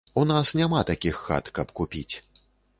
У нас няма такіх хат, каб купіць.